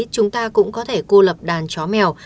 chúng ta cũng có thể cô lập đàn chó mèo